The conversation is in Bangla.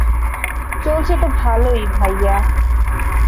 চলছে তো ভালোই, ভাইয়া।